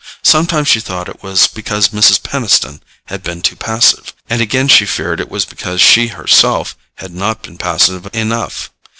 Sometimes she thought it was because Mrs. Peniston had been too passive, and again she feared it was because she herself had not been passive enough.